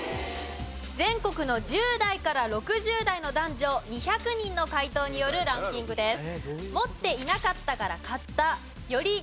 全国の１０代から６０代の男女２００人の回答によるランキングです。